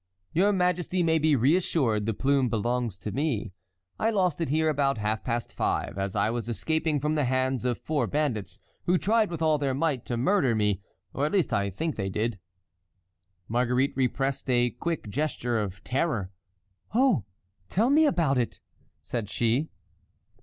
"Your majesty may be reassured; the plume belongs to me. I lost it here about half past five, as I was escaping from the hands of four bandits who tried with all their might to murder me, or at least I think they did." Marguerite repressed a quick gesture of terror. "Oh! tell me about it!" said she.